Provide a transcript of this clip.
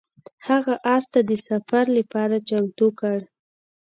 هغه اس ته د سفر لپاره چمتو کړ.